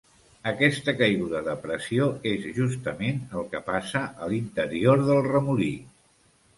Aquesta caiguda de pressió és justament el que passa a l'interior del remolí.